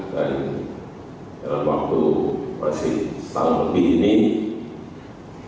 dan dalam waktu masih setahun lebih ini kita akan terus bekerja keras